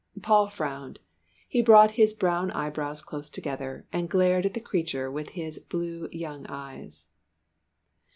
Paul frowned. He brought his brown eyebrows close together, and glared at the creature with his blue young eyes.